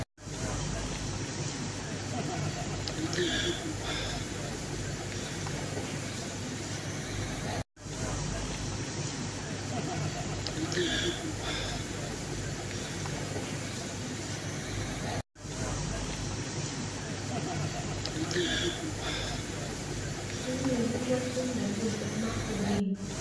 Những người như vậy không đánh đổi vận mạng của mình